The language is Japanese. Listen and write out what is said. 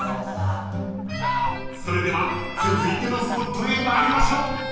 ［それでは続いてのスポットへ参りましょう］